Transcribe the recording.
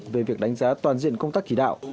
về việc đánh giá toàn diện công tác chỉ đạo